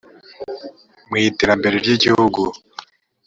mu iterambere ry igihugu